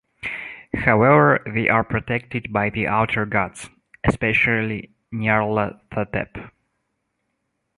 However, they are protected by the Outer Gods, especially Nyarlathotep.